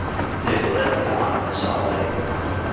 They were left behind by somebody.